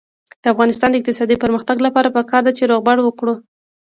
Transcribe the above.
د افغانستان د اقتصادي پرمختګ لپاره پکار ده چې روغبړ وکړو.